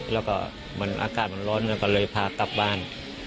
แล้วก็เมื่ออากาศล้อนก็เลยพากลับบ้าน